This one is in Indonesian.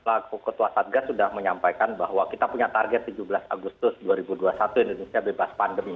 selaku ketua satgas sudah menyampaikan bahwa kita punya target tujuh belas agustus dua ribu dua puluh satu indonesia bebas pandemi